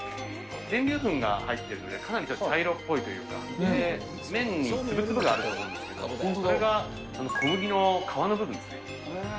全粒粉が入っているんで、かなり茶色っぽいというか、麺につぶつぶがあると思うんですけど、それが小麦の皮の部分ですね。